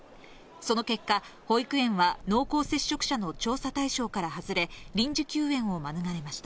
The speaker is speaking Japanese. その結果、保育園は濃厚接触者の調査対象から外れ、臨時休園を免れました。